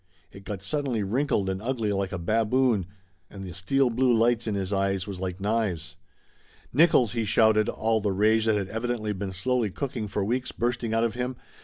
It got suddenly wrinkled and ugly like a baboon, and the steel blue lights in his eyes was like knives. "Nickolls!" he shouted, all the rage that had evi dently been slowly cooking for weeks bursting out of him.